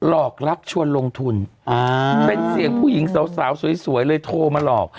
หลอกลักชวนลงทุนเป็นเสียงผู้หญิงสาวสวยเลยโทรมาหลอก